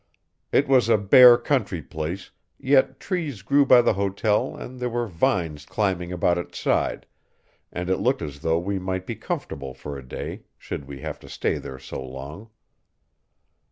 It was a bare country place, yet trees grew by the hotel and there were vines climbing about its side, and it looked as though we might be comfortable for a day, should we have to stay there so long.